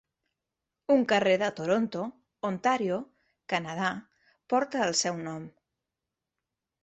Un carrer de Toronto, Ontario, Canadà, porta el seu nom.